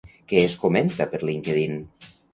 Què es comenta per LinkedIn?